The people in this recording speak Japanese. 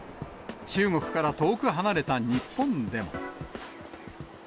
中国から遠く離れた日本でも。